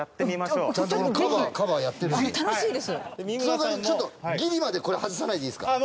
その代わりギリまでこれ外さないでいいですか？